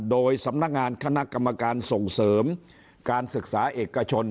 โดยสำนักงานคณะกรรมการส่งเสริมการศึกษาเอกชน